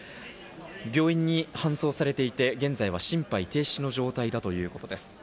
病院に搬送されていて、現在は心肺停止の状態だということです。